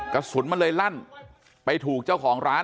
กระสุนมันเลยลั่นไปถูกเจ้าของร้าน